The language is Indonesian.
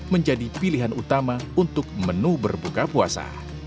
menjadi pilihan utama untuk menu berbuka puasa